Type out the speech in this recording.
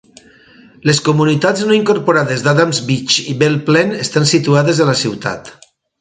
Les comunitats no incorporades d'Adams Beach i Belle Plaine estan situades a la ciutat.